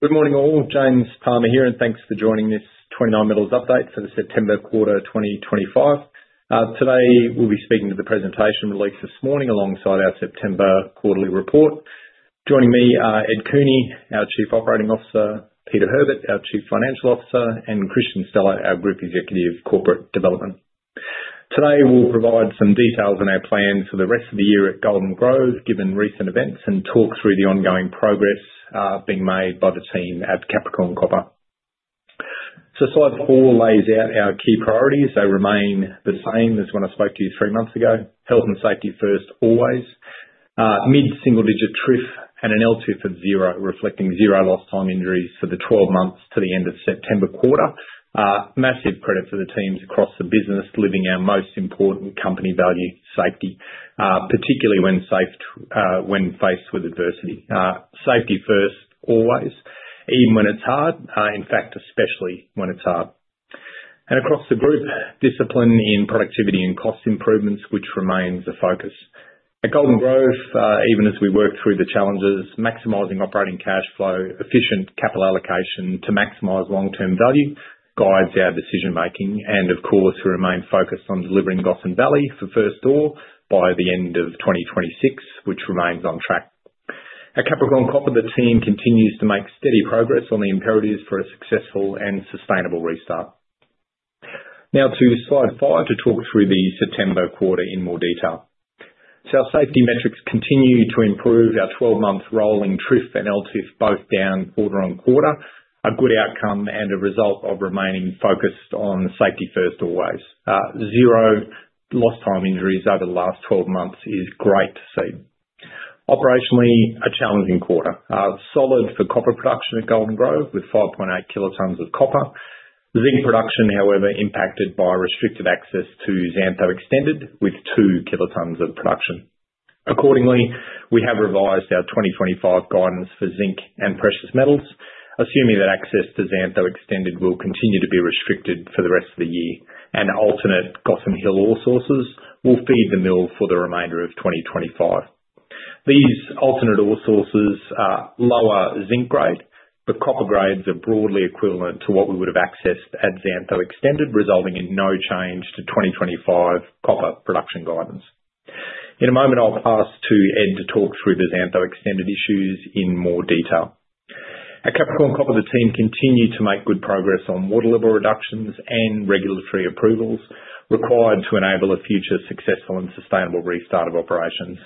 Good morning, all. James Palmer here, and thanks for joining this 29Metals Update for the September Quarter 2025. Today we'll be speaking to the presentation released this morning alongside our September quarterly report. Joining me are Ed Cooney, our Chief Operating Officer, Peter Herbert, our Chief Financial Officer, and Kristian Stella, our Group Executive Corporate Development. Today we'll provide some details on our plans for the rest of the year at Golden Grove, given recent events, and talk through the ongoing progress being made by the team at Capricorn Copper. So, slide four lays out our key priorities. They remain the same as when I spoke to you three months ago, health and safety first, always, mid-single digit TRIF, and an LTIF of zero, reflecting zero lost time injuries for the 12 months to the end of September quarter. Massive credit for the teams across the business, living our most important company value, safety, particularly when faced with adversity. Safety first, always, even when it's hard. In fact, especially when it's hard. And across the group, discipline in productivity and cost improvements, which remains a focus. At Golden Grove, even as we work through the challenges, maximizing operating cash flow, efficient capital allocation to maximize long-term value guides our decision-making. And of course, we remain focused on delivering Gossan Valley for first ore by the end of 2026, which remains on track. At Capricorn Copper, the team continues to make steady progress on the imperatives for a successful and sustainable restart. Now, to slide five to talk through the September quarter in more detail. So our safety metrics continue to improve. Our 12-month rolling TRIF and LTIF both down quarter on quarter, a good outcome and a result of remaining focused on safety first, always. Zero lost time injuries over the last 12 months is great to see. Operationally, a challenging quarter. Solid for copper production at Golden Grove with 5.8 kilotons of copper. Zinc production, however, impacted by restricted access to Xantho Extended with 2 kilotons of production. Accordingly, we have revised our 2025 guidance for zinc and precious metals, assuming that access to Xantho Extended will continue to be restricted for the rest of the year, and alternate Gossan Hill ore sources will feed the mill for the remainder of 2025. These alternate ore sources are lower zinc grade, but copper grades are broadly equivalent to what we would have accessed at Xantho Extended, resulting in no change to 2025 copper production guidance. In a moment, I'll pass to Ed to talk through the Xantho Extended issues in more detail. At Capricorn Copper, the team continues to make good progress on water level reductions and regulatory approvals required to enable a future successful and sustainable restart of operations,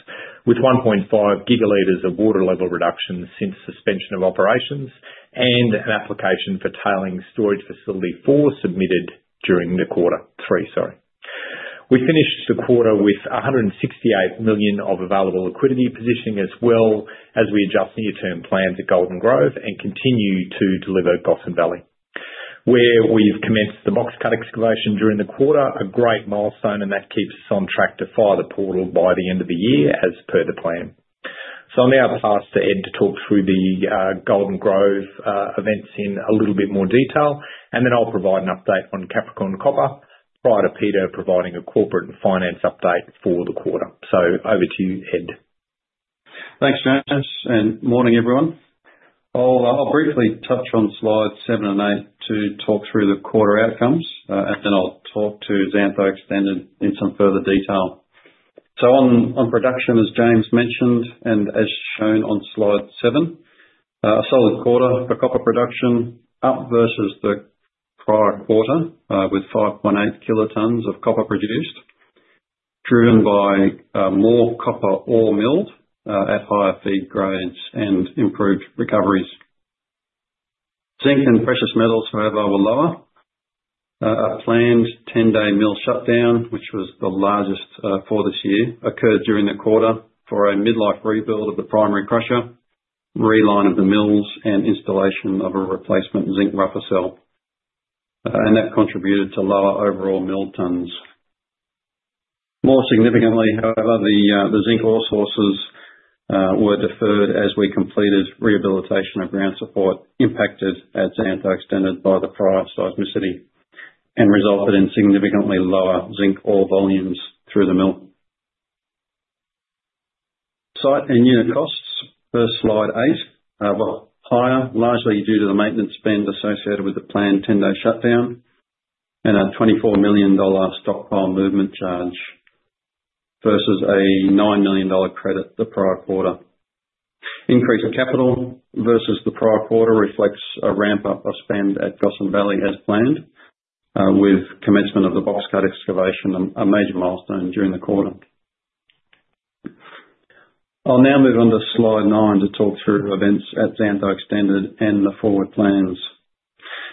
with 1.5 gigalitres of water level reduction since suspension of operations and an application for Tailings Storage Facility 4 submitted during the quarter three, sorry. We finished the quarter with 168 million of available liquidity positioning, as well as we adjust near-term plans at Golden Grove and continue to deliver Gossan Valley. Where we've commenced the box cut excavation during the quarter, a great milestone, and that keeps us on track to fire the portal by the end of the year, as per the plan. So, I'll now pass to Ed to talk through the Golden Grove events in a little bit more detail, and then I'll provide an update on Capricorn Copper prior to Peter providing a corporate and finance update for the quarter. So, over to you, Ed. Thanks, James. And morning, everyone. I'll briefly touch on slides seven and eight to talk through the quarter outcomes, and then I'll talk to Xantho Extended in some further detail. So, on production, as James mentioned and as shown on slide seven, a solid quarter for copper production up versus the prior quarter with 5.8 kilotons of copper produced, driven by more copper ore milled at higher feed grades and improved recoveries. Zinc and precious metals, however, were lower. A planned 10-day mill shutdown, which was the largest for this year, occurred during the quarter for a mid-life rebuild of the primary crusher, reline of the mills, and installation of a replacement zinc rougher cell. And that contributed to lower overall mill tons. More significantly, however, the zinc ore sources were deferred as we completed rehabilitation of ground support impacted at Xantho Extended by the prior seismicity and resulted in significantly lower zinc ore volumes through the mill. Site and unit costs for slide eight were higher, largely due to the maintenance spend associated with the planned 10-day shutdown and a 24 million dollar stockpile movement charge versus a 9 million dollar credit the prior quarter. Increased capital versus the prior quarter reflects a ramp-up of spend at Gossan Valley as planned, with commencement of the box cut excavation a major milestone during the quarter. I'll now move on to slide nine to talk through events at Xantho Extended and the forward plans.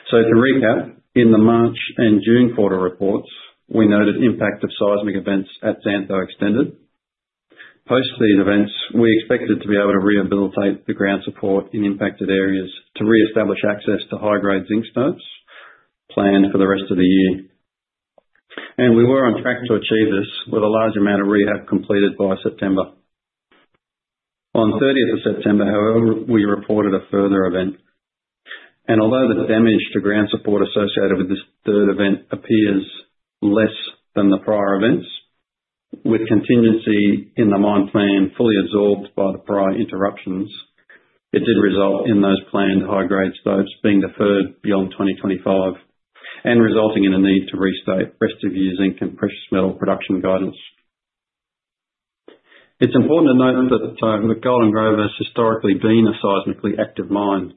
So, to recap, in the March and June quarter reports, we noted impact of seismic events at Xantho Extended. Post these events, we expected to be able to rehabilitate the ground support in impacted areas to reestablish access to high-grade zinc stopes planned for the rest of the year, and we were on track to achieve this with a large amount of rehab completed by September. On 30th of September, however, we reported a further event, and although the damage to ground support associated with this third event appears less than the prior events, with contingency in the mine plan fully absorbed by the prior interruptions, it did result in those planned high-grade stopes being deferred beyond 2025 and resulting in a need to restate the rest of using precious metal production guidance. It is important to note that Golden Grove has historically been a seismically active mine.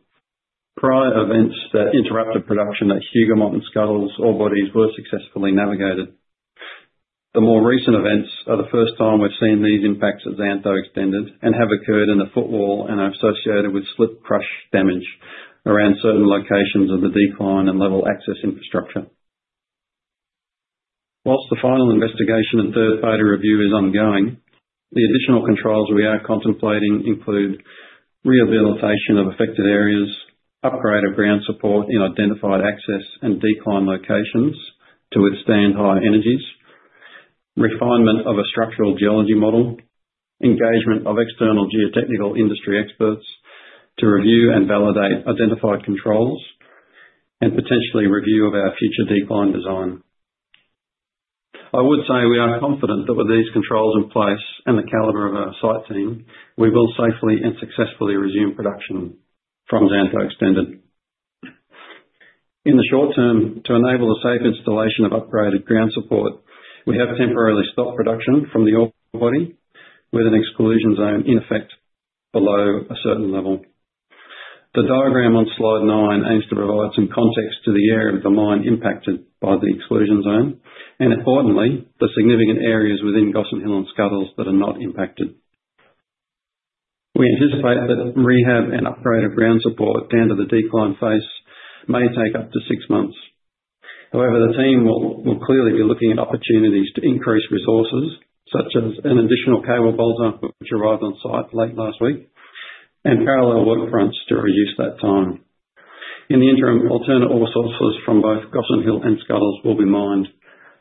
Prior events that interrupted production at Hougoumont and Scuddles ore bodies were successfully navigated. The more recent events are the first time we've seen these impacts at Xantho Extended and have occurred in the footwall and are associated with slip-crush damage around certain locations of the decline and level access infrastructure. While the final investigation and third-party review is ongoing, the additional controls we are contemplating include rehabilitation of affected areas, upgrade of ground support in identified access and decline locations to withstand high energies, refinement of a structural geology model, engagement of external geotechnical industry experts to review and validate identified controls, and potentially review of our future decline design. I would say we are confident that with these controls in place and the caliber of our site team, we will safely and successfully resume production from Xantho Extended. In the short term, to enable the safe installation of upgraded ground support, we have temporarily stopped production from the ore body with an exclusion zone in effect below a certain level. The diagram on slide nine aims to provide some context to the area of the mine impacted by the exclusion zone and, importantly, the significant areas within Gossan Hill and Scuddles that are not impacted. We anticipate that rehab and upgrade of ground support down to the decline phase may take up to six months. However, the team will clearly be looking at opportunities to increase resources, such as an additional cable bolter, which arrived on site late last week, and parallel work fronts to reduce that time. In the interim, alternate ore sources from both Gossan Hill and Scuddles will be mined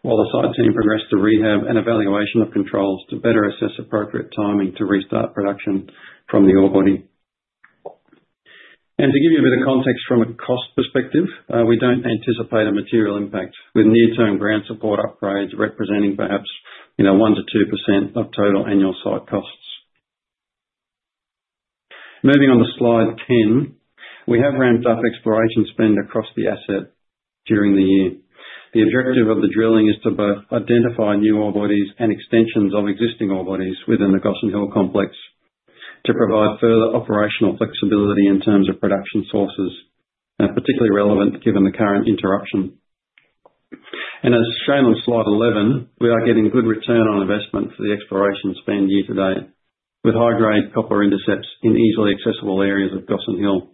while the site team progress to rehab and evaluation of controls to better assess appropriate timing to restart production from the ore body, and to give you a bit of context from a cost perspective, we don't anticipate a material impact with near-term ground support upgrades representing perhaps 1% to 2% of total annual site costs. Moving on to slide 10, we have ramped up exploration spend across the asset during the year. The objective of the drilling is to both identify new ore bodies and extensions of existing ore bodies within the Gossan Hill complex to provide further operational flexibility in terms of production sources, particularly relevant given the current interruption. And as shown on slide 11, we are getting good return on investment for the exploration spend year to date with high-grade copper intercepts in easily accessible areas of Gossan Hill,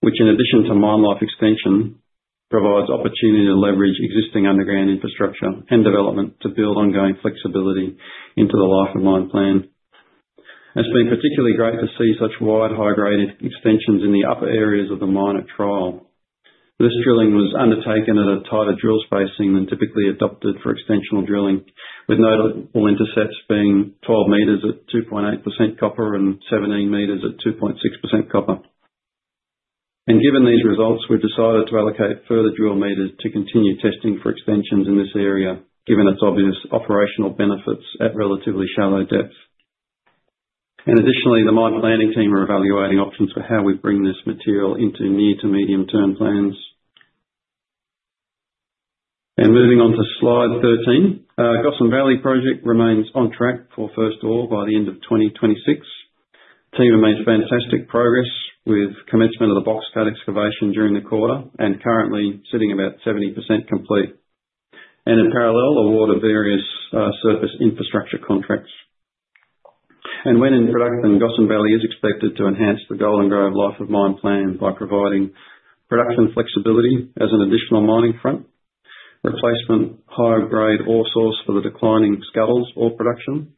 which, in addition to mine life extension, provides opportunity to leverage existing underground infrastructure and development to build ongoing flexibility into the life of mine plan. It's been particularly great to see such wide high-grade extensions in the upper areas of the mine at Tryall. This drilling was undertaken at a tighter drill spacing than typically adopted for extensional drilling, with notable intercepts being 12 meters at 2.8% copper and 17 meters at 2.6% copper. And given these results, we've decided to allocate further drill meters to continue testing for extensions in this area, given its obvious operational benefits at relatively shallow depth. And additionally, the mine planning team are evaluating options for how we bring this material into near-to-medium-term plans. Moving on to slide 13, Gossan Valley project remains on track for first ore by the end of 2026. The team have made fantastic progress with commencement of the box cut excavation during the quarter and currently sitting about 70% complete, and in parallel, award of various surface infrastructure contracts. When in production, Gossan Valley is expected to enhance the Golden Grove life of mine plan by providing production flexibility as an additional mining front, replacement high-grade ore source for the declining Scuddles ore production,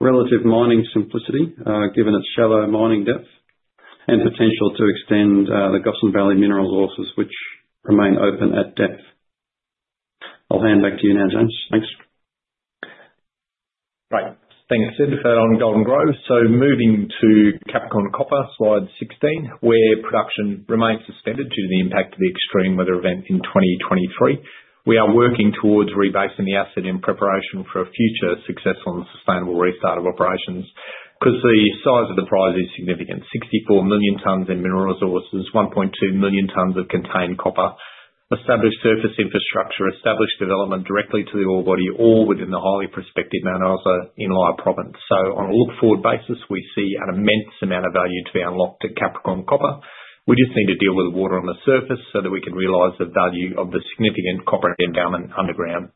relative mining simplicity given its shallow mining depth, and potential to extend the Gossan Valley mineral sources, which remain open at depth. I'll hand back to you now, James. Thanks. Right. Thanks, Ed, for that on Golden Grove. So moving to Capricorn Copper, slide 16, where production remains suspended due to the impact of the extreme weather event in 2023, we are working towards rebasing the asset in preparation for a future successful and sustainable restart of operations because the size of the prize is significant: 64 million tonnes in mineral resources, 1.2 million tonnes of contained copper, established surface infrastructure, established development directly to the ore body, all within the highly prospective Mount Isa Inlier. So on a look-forward basis, we see an immense amount of value to be unlocked at Capricorn Copper. We just need to deal with the water on the surface so that we can realize the value of the significant copper endowment underground.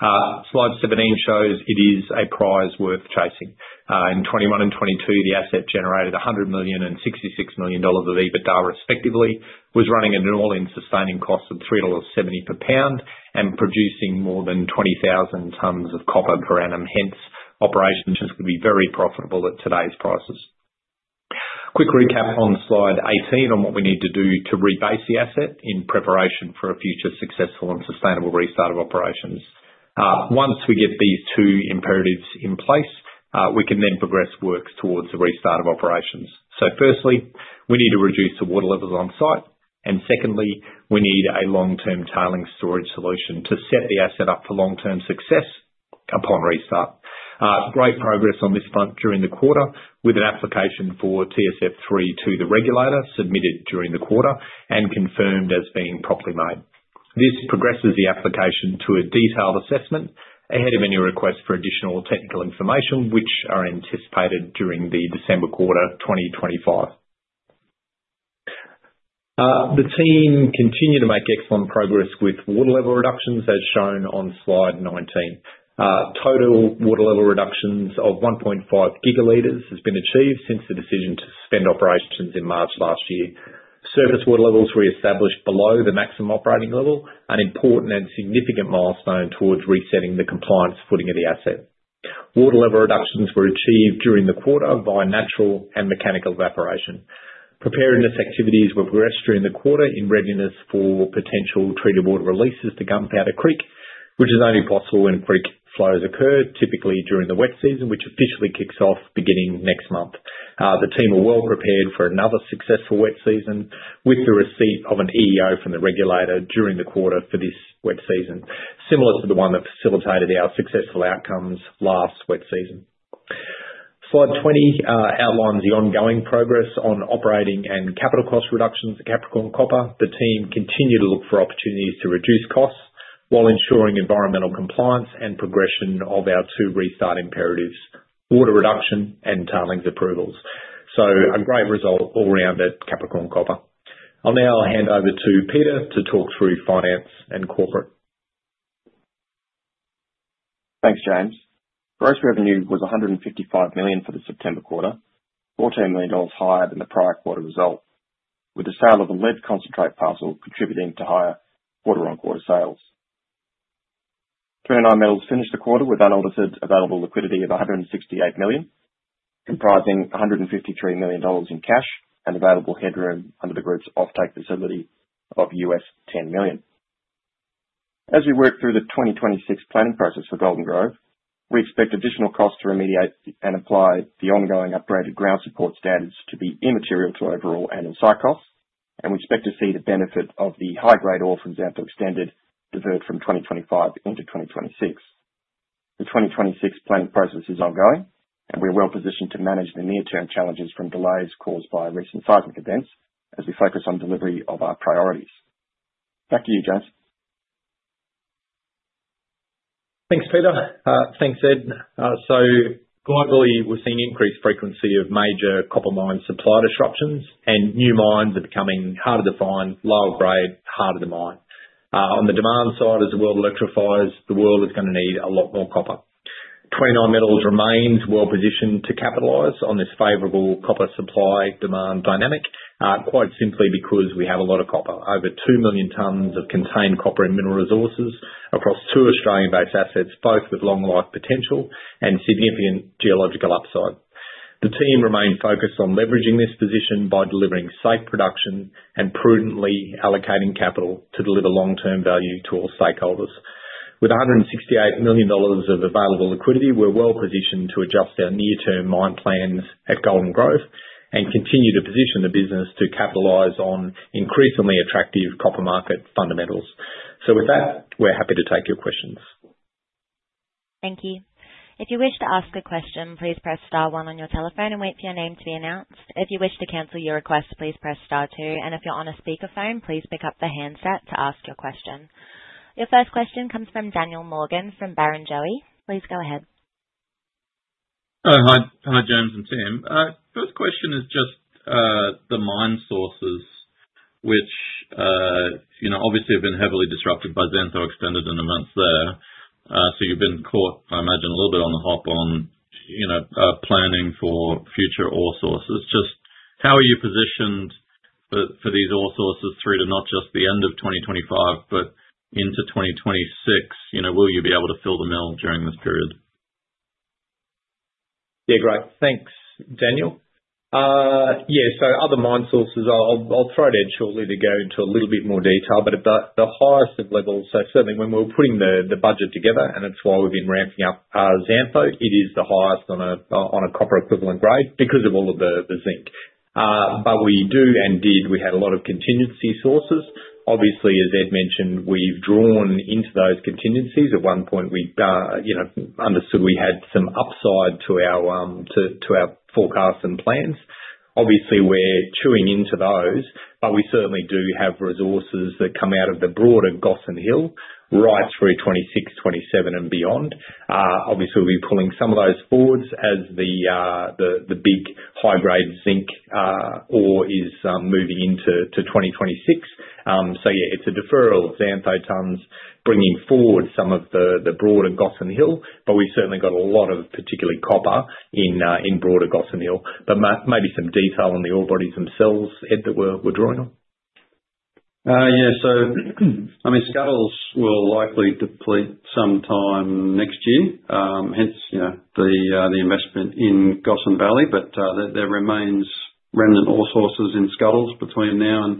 Slide 17 shows it is a prize worth chasing. In 2021 and 2022, the asset generated 100 million and 66 million dollars of EBITDA, respectively, was running an all-in sustaining cost of 3.70 dollars per pound and producing more than 20,000 tonnes of copper per annum. Hence, operations could be very profitable at today's prices. Quick recap on slide 18 on what we need to do to rebase the asset in preparation for a future successful and sustainable restart of operations. Once we get these two imperatives in place, we can then progress works towards the restart of operations. So firstly, we need to reduce the water levels on site. And secondly, we need a long-term tailings storage solution to set the asset up for long-term success upon restart. Great progress on this front during the quarter with an application for TSF 3 to the regulator submitted during the quarter and confirmed as being properly made. This progresses the application to a detailed assessment ahead of any request for additional technical information, which are anticipated during the December quarter 2025. The team continue to make excellent progress with water level reductions as shown on slide 19. Total water level reductions of 1.5 gigaliters have been achieved since the decision to suspend operations in March last year. Surface water levels reestablished below the maximum operating level, an important and significant milestone towards resetting the compliance footing of the asset. Water level reductions were achieved during the quarter via natural and mechanical evaporation. Preparedness activities were progressed during the quarter in readiness for potential treated water releases to Gunpowder Creek, which is only possible when creek flows occur, typically during the wet season, which officially kicks off beginning next month. The team are well prepared for another successful wet season with the receipt of an EEO from the regulator during the quarter for this wet season, similar to the one that facilitated our successful outcomes last wet season. Slide 20 outlines the ongoing progress on operating and capital cost reductions at Capricorn Copper. The team continue to look for opportunities to reduce costs while ensuring environmental compliance and progression of our two restart imperatives, water reduction and tailings approvals. So a great result all around at Capricorn Copper. I'll now hand over to Peter to talk through finance and corporate. Thanks, James. Gross revenue was 155 million for the September quarter, 14 million dollars higher than the prior quarter result, with the sale of a lead concentrate parcel contributing to higher quarter-on-quarter sales. 29Metals finished the quarter with unaltered available liquidity of 168 million, comprising 153 million dollars in cash and available headroom under the group's off-take facility of $10 million. As we work through the 2026 planning process for Golden Grove, we expect additional costs to remediate and apply the ongoing upgraded ground support standards to be immaterial to overall and on-site costs, and we expect to see the benefit of the high-grade ore from Xantho Extended deferred from 2025 into 2026. The 2026 planning process is ongoing, and we're well positioned to manage the near-term challenges from delays caused by recent seismic events as we focus on delivery of our priorities. Back to you, James. Thanks, Peter. Thanks, Ed. So globally, we're seeing increased frequency of major copper mine supply disruptions, and new mines are becoming harder to find, lower grade, harder to mine. On the demand side, as the world electrifies, the world is going to need a lot more copper. 29Metals remains well positioned to capitalize on this favorable copper supply demand dynamic, quite simply because we have a lot of copper, over two million tonnes of contained copper and mineral resources across two Australian-based assets, both with long-life potential and significant geological upside. The team remain focused on leveraging this position by delivering safe production and prudently allocating capital to deliver long-term value to all stakeholders. With 168 million dollars of available liquidity, we're well positioned to adjust our near-term mine plans at Golden Grove and continue to position the business to capitalize on increasingly attractive copper market fundamentals. So with that, we're happy to take your questions. Thank you. If you wish to ask a question, please press star one on your telephone and wait for your name to be announced. If you wish to cancel your request, please press star two. And if you're on a speakerphone, please pick up the handset to ask your question. Your first question comes from Daniel Morgan from Barrenjoey. Please go ahead. Hi, James and team. First question is just the mine sources, which obviously have been heavily disrupted by Xantho Extended and events there. So you've been caught, I imagine, a little bit on the hop on planning for future ore sources. Just how are you positioned for these ore sources through to not just the end of 2025, but into 2026? Will you be able to fill the mill during this period? Yeah, great. Thanks, Daniel. Yeah, so other mine sources, I'll throw it in shortly to go into a little bit more detail, but the highest of levels, so certainly when we were putting the budget together, and it's why we've been ramping up Xantho, it is the highest on a copper equivalent grade because of all of the zinc. But we do and did, we had a lot of contingency sources. Obviously, as Ed mentioned, we've drawn into those contingencies. At one point, we understood we had some upside to our forecasts and plans. Obviously, we're chewing into those, but we certainly do have resources that come out of the broader Gossan Hill right through 2026, 2027, and beyond. Obviously, we'll be pulling some of those forwards as the big high-grade zinc ore is moving into 2026. So yeah, it's a deferral of Xantho tonnes bringing forward some of the broader Gossan Hill, but we've certainly got a lot of particularly copper in broader Gossan Hill. But maybe some detail on the ore bodies themselves, Ed, that we're drawing on. Yeah, so, I mean, Scuddles will likely deplete sometime next year, hence the investment in Gossan Valley, but there remains remnant ore sources in Scuddles between now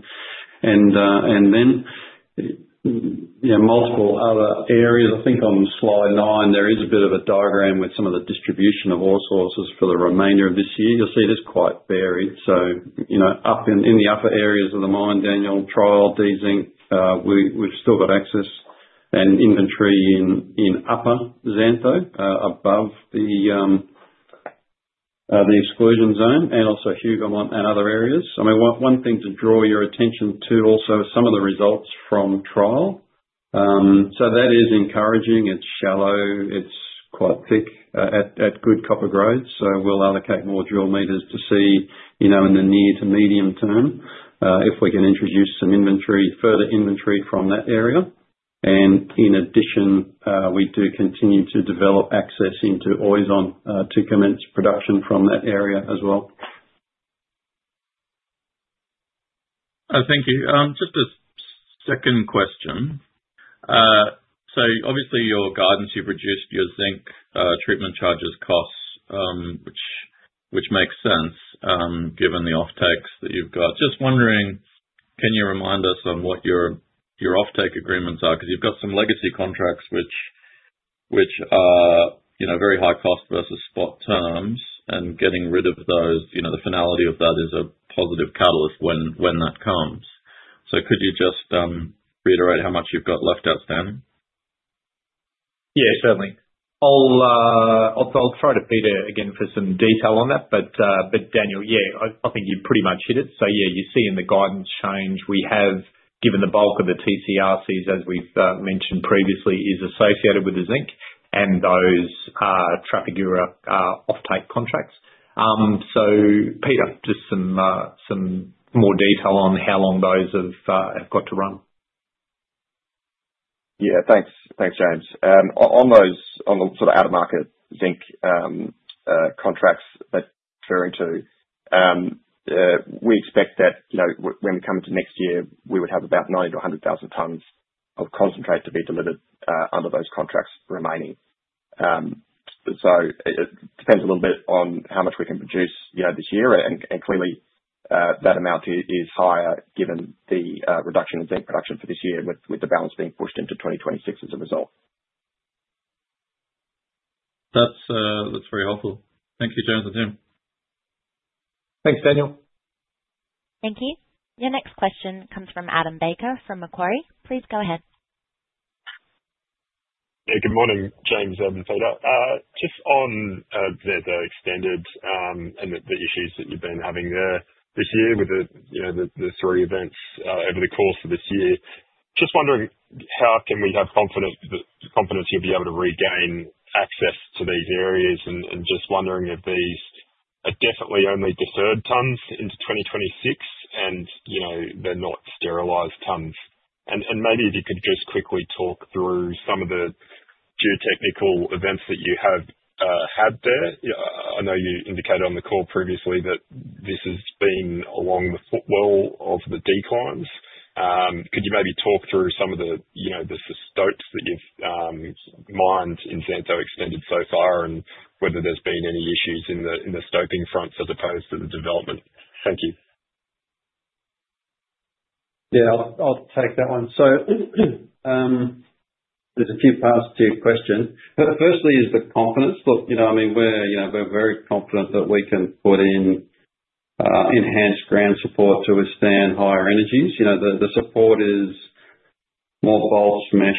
and then. Multiple other areas, I think on slide nine, there is a bit of a diagram with some of the distribution of ore sources for the remainder of this year. You'll see this quite varied. So up in the upper areas of the mine, Daniel, Tryall, D Zinc, we've still got access and inventory in upper Xantho above the exclusion zone and also Hougoumont and other areas. I mean, one thing to draw your attention to also are some of the results from Tryall. So that is encouraging. It's shallow. It's quite thick at good copper grade. So we'll allocate more drill meters to see in the near to medium term if we can introduce some inventory, further inventory from that area. In addition, we do continue to develop access into Oisin to commence production from that area as well. Thank you. Just a second question. So obviously, your guidance, you've reduced your zinc treatment charges costs, which makes sense given the off-takes that you've got. Just wondering, can you remind us on what your off-take agreements are? Because you've got some legacy contracts which are very high cost versus spot terms, and getting rid of those, the finality of that is a positive catalyst when that comes. So could you just reiterate how much you've got left outstanding? Yeah, certainly. I'll throw to Peter again for some detail on that. But Daniel, yeah, I think you pretty much hit it. So yeah, you're seeing the guidance change. We have, given the bulk of the TCRCs, as we've mentioned previously, is associated with the zinc and those Trafigura off-take contracts. So Peter, just some more detail on how long those have got to run. Yeah, thanks, James. On the sort of out-of-market zinc contracts that we're into, we expect that when we come into next year, we would have about 90, 000 to 100,000 tonnes of concentrate to be delivered under those contracts remaining. So, it depends a little bit on how much we can produce this year. And clearly, that amount is higher given the reduction in zinc production for this year with the balance being pushed into 2026 as a result. That's very helpful. Thank you, James and team. Thanks, Daniel. Thank you. Your next question comes from Adam Baker from Macquarie. Please go ahead. Yeah, good morning, James, Ed and Peter. Just on Xantho Extended and the issues that you've been having this year with the three events over the course of this year, just wondering how can we have confidence that you'll be able to regain access to these areas? And just wondering if these are definitely only deferred tonnes into 2026 and they're not sterilized tonnes. Maybe if you could just quickly talk through some of the geotechnical events that you have had there. I know you indicated on the call previously that this has been along the footwall of the declines. Could you maybe talk through some of the stopes that you've mined in Xantho Extended so far and whether there's been any issues in the stoping fronts as opposed to the development? Thank you. Yeah, I'll take that one. So there's a few parts to your question. Firstly is the confidence. Look, I mean, we're very confident that we can put in enhanced ground support to withstand higher energies. The support is more bolt mesh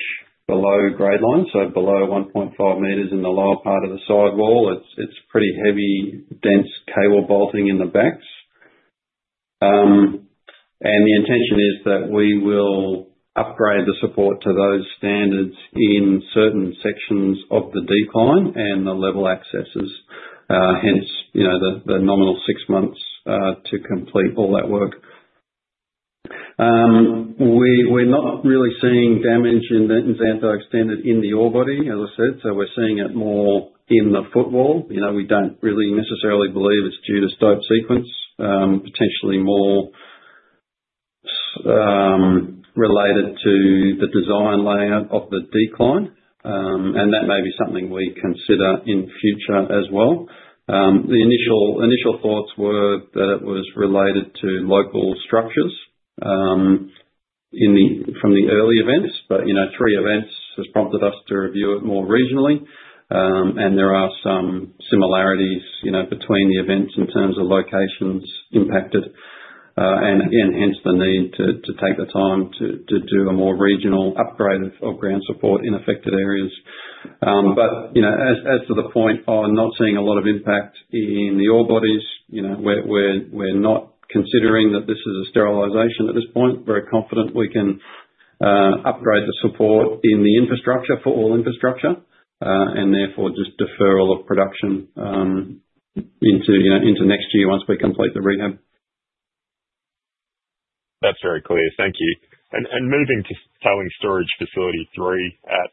below grade line, so below 1.5 meters in the lower part of the sidewall. It's pretty heavy, dense cable bolting in the backs. And the intention is that we will upgrade the support to those standards in certain sections of the decline and the level accesses, hence the nominal six months to complete all that work. We're not really seeing damage in Xantho Extended in the ore body, as I said. So we're seeing it more in the footwall. We don't really necessarily believe it's due to stope sequence, potentially more related to the design layout of the decline. And that may be something we consider in future as well. The initial thoughts were that it was related to local structures from the early events, but three events have prompted us to review it more regionally. And there are some similarities between the events in terms of locations impacted and hence the need to take the time to do a more regional upgrade of ground support in affected areas. But as to the point, I'm not seeing a lot of impact in the ore bodies. We're not considering that this is a sterilization at this point. We're confident we can upgrade the support in the infrastructure for all infrastructure and therefore just defer all of production into next year once we complete the rehab. That's very clear. Thank you. And moving to Tailings Storage Facility 3 at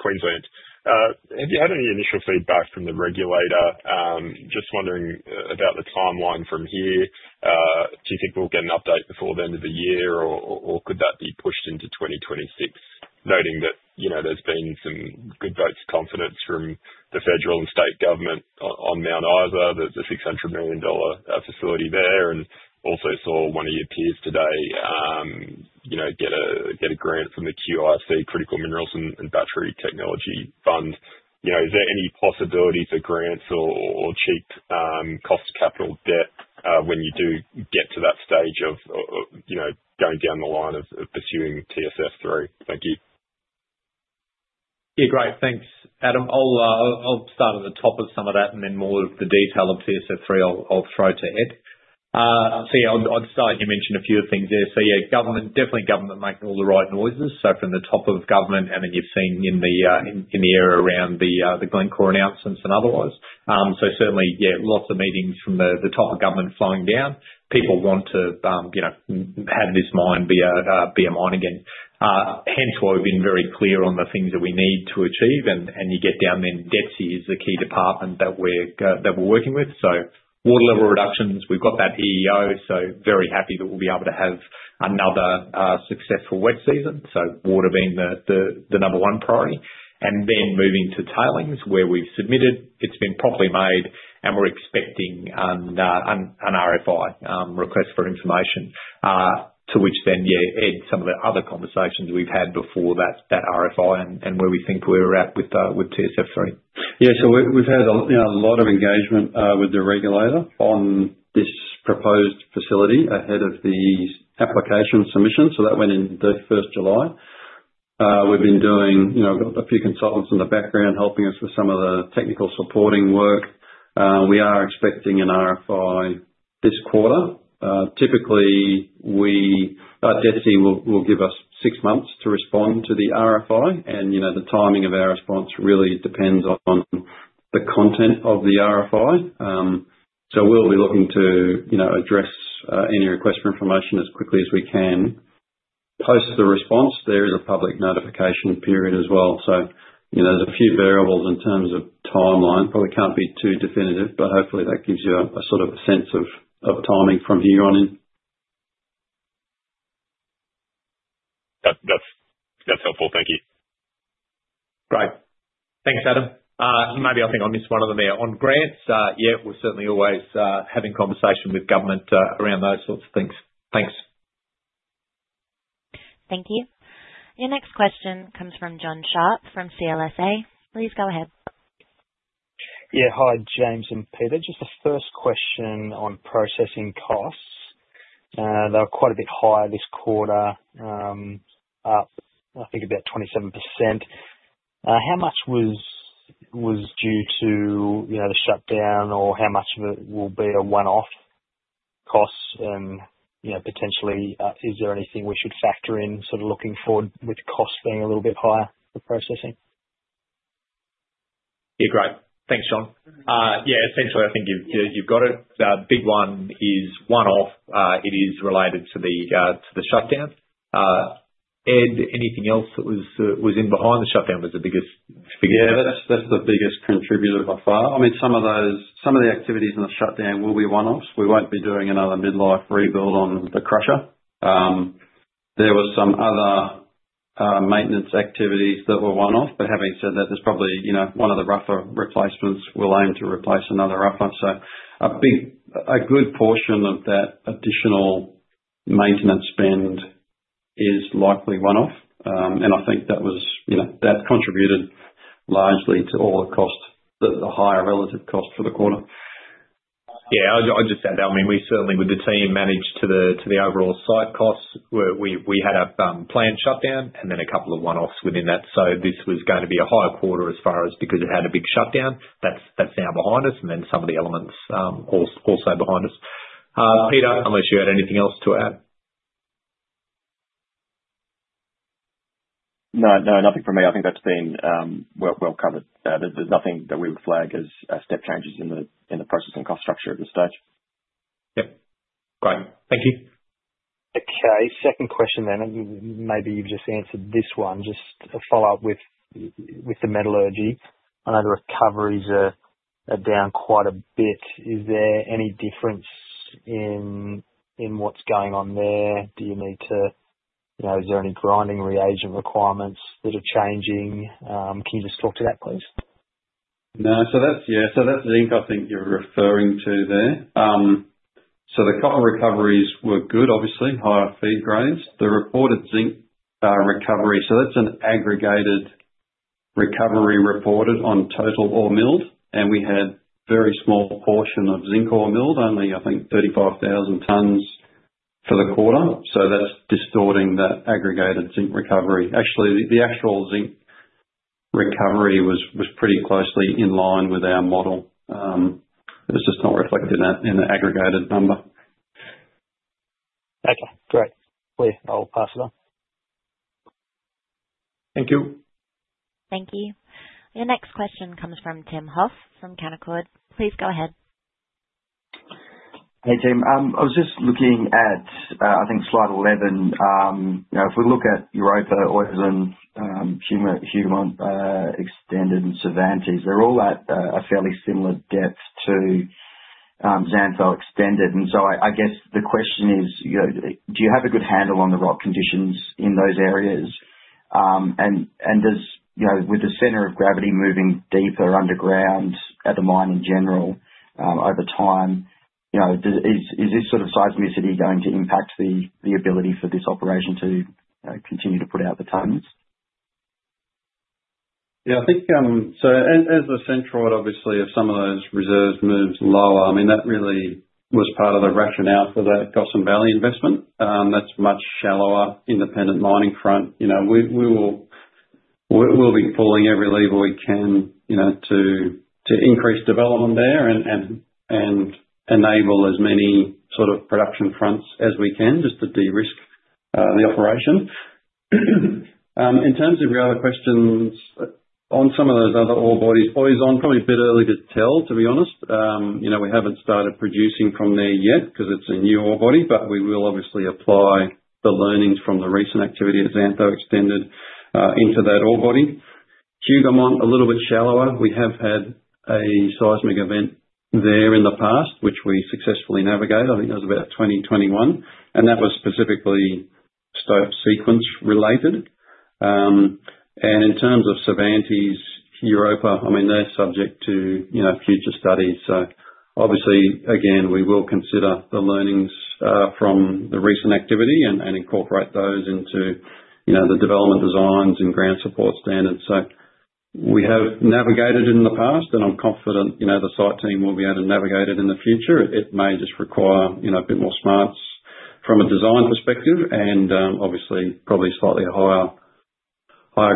Queensland, have you had any initial feedback from the regulator? Just wondering about the timeline from here. Do you think we'll get an update before the end of the year, or could that be pushed into 2026? Noting that there's been some good votes of confidence from the federal and state government on Mount Isa that it's a 600 million dollar facility there, and also saw one of your peers today get a grant from the QIC, Critical Minerals and Battery Technology Fund. Is there any possibility for grants or cheap cost capital debt when you do get to that stage of going down the line of pursuing TSF 3? Thank you. Yeah, great. Thanks, Adam. I'll start at the top of some of that, and then more of the detail of TSF 3 I'll throw to Ed. So yeah, I'd start, and you mentioned a few things there. So yeah, definitely government making all the right noises. So from the top of government, and then you've seen in the area around the Glencore announcements and otherwise. So certainly, yeah, lots of meetings from the top of government flowing down. People want to have this mine be a mine again. Hence why we've been very clear on the things that we need to achieve. And you get down there, and DETSI is the key department that we're working with. So water level reductions, we've got that EEO, so very happy that we'll be able to have another successful wet season. So water being the number one priority. And then moving to tailings, where we've submitted, it's been properly made, and we're expecting an RFI, Request For Information, to which then, yeah, Ed, some of the other conversations we've had before that RFI and where we think we're at with TSF 3. Yeah, so we've had a lot of engagement with the regulator on this proposed facility ahead of the application submission. So that went in the 1st July. We've been doing a few consultants in the background helping us with some of the technical supporting work. We are expecting an RFI this quarter. Typically, DETSI will give us six months to respond to the RFI. And the timing of our response really depends on the content of the RFI. So we'll be looking to address any request for information as quickly as we can. Post the response, there is a public notification period as well. So there's a few variables in terms of timeline. Probably can't be too definitive, but hopefully that gives you a sort of sense of timing from here on in. That's helpful. Thank you. Great. Thanks, Adam. Maybe I think I missed one of them there. On grants, yeah, we're certainly always having conversation with government around those sorts of things. Thanks. Thank you. Your next question comes from Jon Sharp from CLSA. Please go ahead. Yeah, hi, James and Peter. Just a first question on processing costs. They're quite a bit higher this quarter, up I think about 27%. How much was due to the shutdown, or how much will be a one-off cost? And potentially, is there anything we should factor in sort of looking forward with costs being a little bit higher for processing? Yeah, great. Thanks, John. Yeah, essentially, I think you've got it. The big one is one-off. It is related to the shutdown. Ed, anything else that was in behind the shutdown was the biggest? Yeah, that's the biggest contributor by far. I mean, some of the activities in the shutdown will be one-offs. We won't be doing another mid-life rebuild on the crusher. There were some other maintenance activities that were one-off. But having said that, there's probably one of the rougher replacements will aim to replace another rougher. So a good portion of that additional maintenance spend is likely one-off. And I think that contributed largely to all the cost, the higher relative cost for the quarter. Yeah, I'll just add that. I mean, we certainly, with the team managed to the overall site costs. We had a planned shutdown and then a couple of one-offs within that. So this was going to be a higher quarter as far as because it had a big shutdown. That's now behind us, and then some of the elements also behind us. Peter, unless you had anything else to add? No, nothing from me. I think that's been well covered. There's nothing that we would flag as step changes in the processing cost structure at this stage. Yep. Great. Thank you. Okay, second question then. Maybe you've just answered this one. Just a follow-up with the metallurgy. I know the recoveries are down quite a bit. Is there any difference in what's going on there? Is there any grinding reagent requirements that are changing? Can you just talk to that, please? No. So yeah, so that's zinc I think you're referring to there. So the copper recoveries were good, obviously, higher feed grades. The reported zinc recovery, so that's an aggregated recovery reported on total ore milled. And we had a very small portion of zinc ore milled, only I think 35,000 tonnes for the quarter. So that's distorting that aggregated zinc recovery. Actually, the actual zinc recovery was pretty closely in line with our model. It was just not reflected in the aggregated number. Okay, great. Clear. I'll pass it on. Thank you. Thank you. Your next question comes from Tim Hoff from Canaccord. Please go ahead. Hey, Tim. I was just looking at, I think, slide 11. If we look at Europa, Oisin, Huma, Extended, and Cervantes, they're all at a fairly similar depth to Xantho Extended. And so I guess the question is, do you have a good handle on the rock conditions in those areas? And with the center of gravity moving deeper underground at the mine in general over time, is this sort of seismicity going to impact the ability for this operation to continue to put out the tonnes? Yeah, I think so, and as the central, obviously, if some of those reserves move lower, I mean, that really was part of the rationale for the Gossan Valley investment. That's a much shallower independent mining front. We'll be pulling every lever we can to increase development there and enable as many sort of production fronts as we can just to de-risk the operation. In terms of your other questions on some of those other ore bodies, Oisin probably a bit early to tell, to be honest. We haven't started producing from there yet because it's a new ore body, but we will obviously apply the learnings from the recent activity at Xantho Extended into that ore body. Hougoumont, a little bit shallower. We have had a seismic event there in the past, which we successfully navigated. I think that was about 2021, and that was specifically stope sequence related. And in terms of Cervantes, Europa, I mean, they're subject to future studies. So obviously, again, we will consider the learnings from the recent activity and incorporate those into the development designs and ground support standards. So we have navigated in the past, and I'm confident the site team will be able to navigate it in the future. It may just require a bit more smarts from a design perspective and obviously probably slightly higher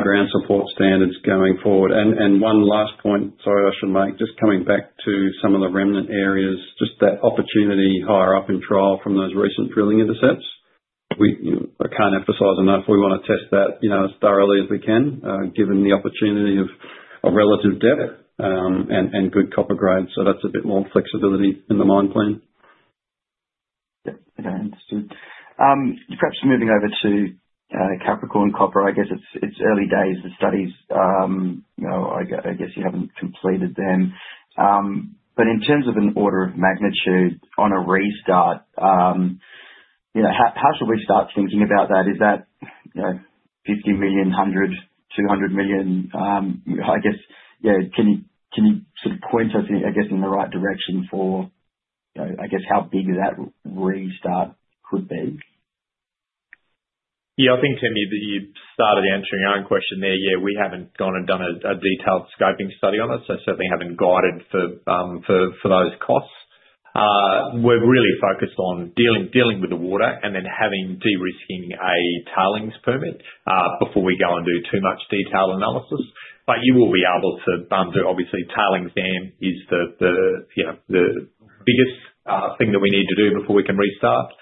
ground support standards going forward. And one last point, sorry, I should make, just coming back to some of the remnant areas, just that opportunity higher up in Tryall from those recent drilling intercepts. I can't emphasize enough. We want to test that as thoroughly as we can given the opportunity of relative depth and good copper grade. So that's a bit more flexibility in the mine plan. Yeah, okay, understood. Perhaps moving over to Capricorn Copper, I guess it's early days. The studies, I guess you haven't completed them. But in terms of an order of magnitude on a restart, how should we start thinking about that? Is that 50 million, 100 million, 200 million? I guess, yeah, can you sort of point us, I guess, in the right direction for, I guess, how big that restart could be? Yeah, I think, Tim, that you've started answering your own question there. Yeah, we haven't gone and done a detailed scoping study on it, so certainly haven't guided for those costs. We're really focused on dealing with the water and then de-risking a tailings permit before we go and do too much detailed analysis. But you will be able to, obviously. Tailings then is the biggest thing that we need to do before we can restart.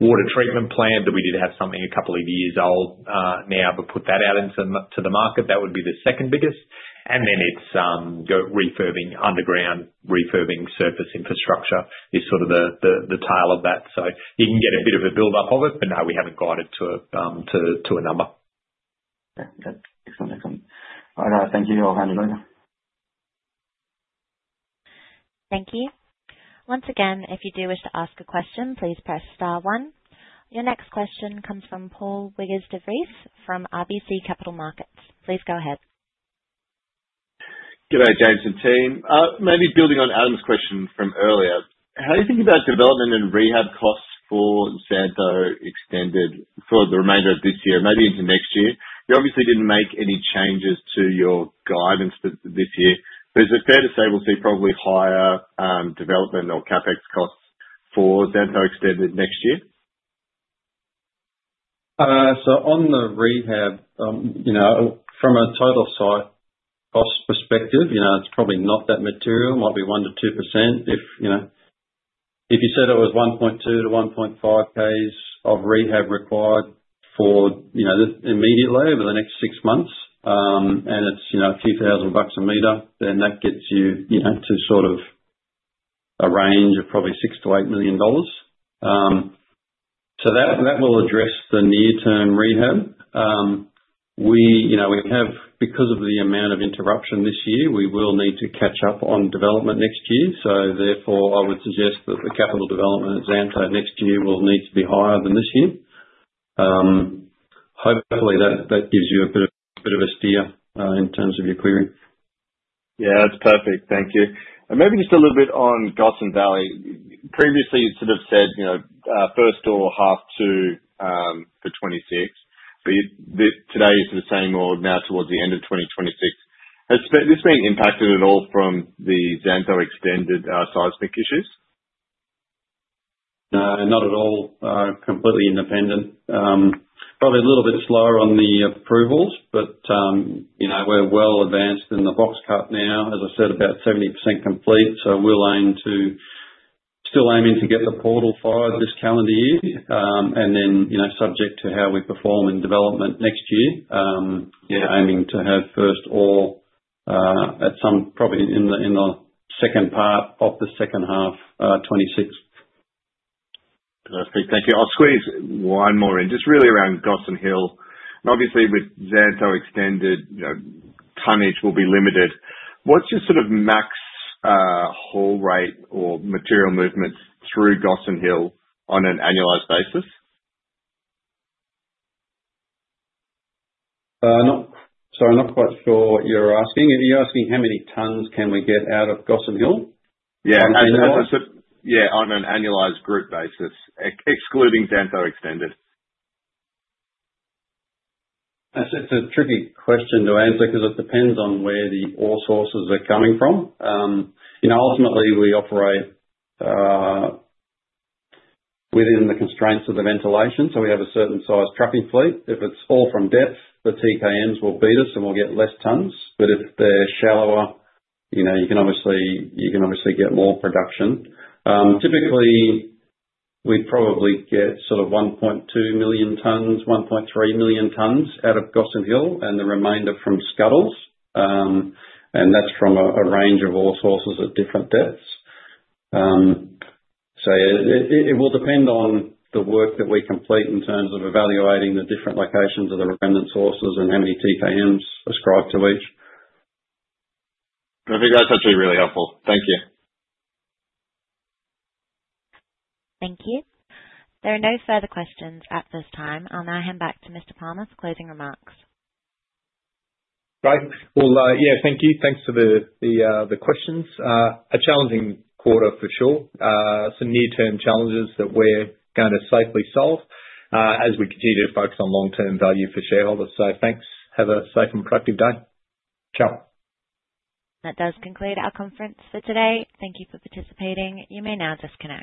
Water treatment plan, that we did have something a couple of years old now, but put that out into the market. That would be the second biggest. And then it's refurbishing underground, refurbishing surface infrastructure is sort of the tail of that. So you can get a bit of a build-up of it, but no, we haven't guided to a number. Okay, excellent. Excellent. All right, thank you. I'll hand it over. Thank you. Once again, if you do wish to ask a question, please press star one. Your next question comes from Paul Wiggers de Vries from RBC Capital Markets. Please go ahead. G'day, James and team. Maybe building on Adam's question from earlier, how do you think about development and rehab costs for Xantho Extended for the remainder of this year, maybe even next year? You obviously didn't make any changes to your guidance this year. But is it fair to say we'll see probably higher development or CapEx costs for Xantho Extended next year? So, on the rehab, from a total site cost perspective, it's probably not that material. It might be 1%-2%. If you said it was 1.2-1.5 pays of rehab required for immediately over the next six months, and it's a few thousand bucks a meter, then that gets you to sort of a range of probably 6-8 million dollars. So that will address the near-term rehab. Because of the amount of interruption this year, we will need to catch up on development next year. So therefore, I would suggest that the capital development at Xantho next year will need to be higher than this year. Hopefully, that gives you a bit of a steer in terms of your query. Yeah, that's perfect. Thank you. And maybe just a little bit on Gossan Valley. Previously, you sort of said first ore half two for 2026, but today it's the same ore now towards the end of 2026. Has this been impacted at all from the Xantho Extended seismic issues? No, not at all. Completely independent. Probably a little bit slower on the approvals, but we're well advanced in the box cut now. As I said, about 70% complete. So, we're still aiming to get the portal fired this calendar year. And then subject to how we perform in development next year, aiming to have first ore at some probably in the second part of the second half of 2026. Fantastic. Thank you. I'll squeeze one more in, just really around Gossan Hill. And obviously, with Xantho Extended, tonnage will be limited. What's your sort of max haul rate or material movement through Gossan Hill on an annualized basis? Sorry, I'm not quite sure what you're asking. Are you asking how many tonnes can we get out of Gossan Hill? Yeah, on an annualized group basis, excluding Xantho Extended. That's a tricky question to answer because it depends on where the ore sources are coming from. Ultimately, we operate within the constraints of the ventilation, so we have a certain size trucking fleet, if it's all from depth, the TKMs will beat us and we'll get less tonnes, but if they're shallower, you can obviously get more production. Typically, we'd probably get sort of 1.2 million tonnes, 1.3 million tonnes out of Gossan Hill, and the remainder from Scuddles, and that's from a range of ore sources at different depths, so it will depend on the work that we complete in terms of evaluating the different locations of the remnant sources and how many TKMs ascribed to each. I think that's actually really helpful. Thank you. Thank you. There are no further questions at this time. I'll now hand back to Mr. Palmer for closing remarks. Great. Well, yeah, thank you. Thanks for the questions. A challenging quarter for sure. Some near-term challenges that we're going to safely solve as we continue to focus on long-term value for shareholders. So thanks. Have a safe and productive day. Ciao. That does conclude our conference for today. Thank you for participating. You may now disconnect.